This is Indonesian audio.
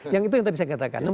yang itu yang tadi saya katakan